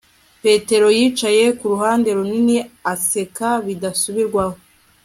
petero yicaye ku rutare runini, aseka bidasubirwaho